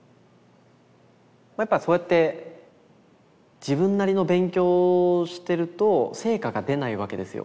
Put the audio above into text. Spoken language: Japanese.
やっぱそうやって自分なりの勉強をしてると成果が出ないわけですよ。